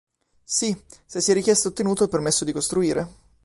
Si, se si è richiesto ed ottenuto il permesso di costruire.